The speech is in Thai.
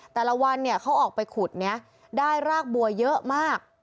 แต่ละวันเขาออกไปขุดได้รากบัวเยอะมาก